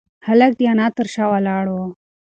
هلک د انا تر شا ولاړ و.